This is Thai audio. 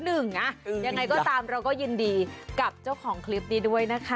ยังไงก็ตามเราก็ยินดีกับเจ้าของคลิปนี้ด้วยนะคะ